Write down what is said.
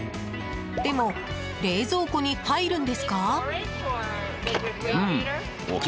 でも、冷蔵庫に入るんですか？